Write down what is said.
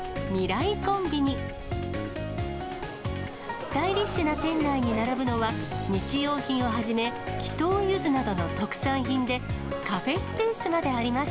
スタイリッシュな店内に並ぶのは、日用品をはじめ、木頭ゆずなどの特産品で、カフェスペースまであります。